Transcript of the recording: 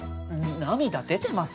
涙出てます？